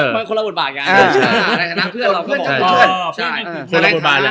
มั่นคนละบทบาทย่ะกันหน่ะเพื่อนรึเปล่า